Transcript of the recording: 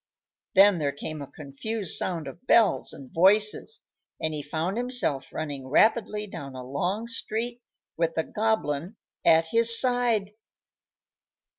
Then there came a confused sound of bells and voices, and he found himself running rapidly down a long street with the Goblin at his side.